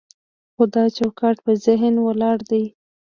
خو دا چوکاټ په ذهن ولاړ دی.